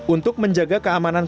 untuk menjaga keamanan kudusnya